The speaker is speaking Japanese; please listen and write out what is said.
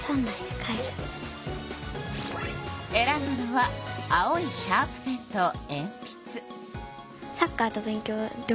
選んだのは青いシャープペンとえんぴつ。